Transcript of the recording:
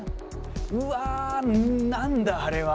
うわ何だあれは。